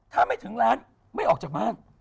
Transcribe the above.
ถ้าไม่ถึงร้านไม่ออกจากบ้าน